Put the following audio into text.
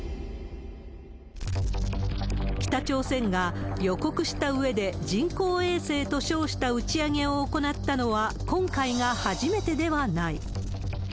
北朝鮮が、予告したうえで人工衛星と称した打ち上げを行ったのは、今回が初めてではない。